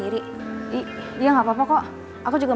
demi demi demi ngaku ngapain pri undergo